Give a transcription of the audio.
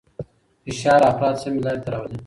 فشار افراد سمې لارې ته راولي.